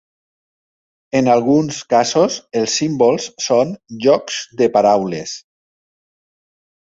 En alguns casos els símbols són "jocs de paraules".